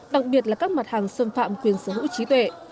đặc biệt là các mặt hàng xâm phạm quyền sở hữu trí tuệ